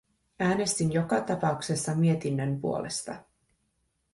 Äänestin joka tapauksessa mietinnön puolesta.